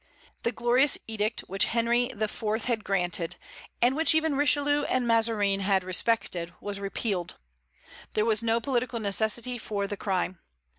The glorious edict which Henry IV. had granted, and which even Richelieu and Mazarin had respected, was repealed. There was no political necessity for the crime.